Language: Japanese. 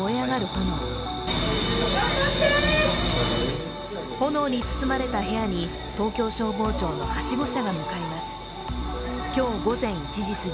炎に包まれた部屋に東京消防庁のはしご車が向かいます。